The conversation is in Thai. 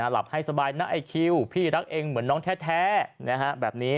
หลับให้สบายนะไอ้คิวพี่รักเองเหมือนน้องแท้แบบนี้